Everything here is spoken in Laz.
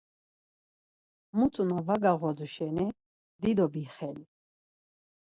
Mutu na var gağodu şeni dido bixeli.